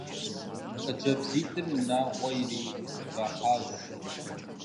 Хъыджэбзитӏыр унагъуэ иригъэхьащ.